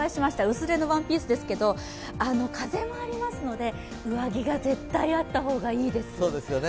薄手のワンピースですけど風もありますので上着が絶対あった方がいいです。